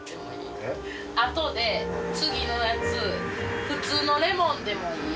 後で次のやつ普通のレモンでもいい？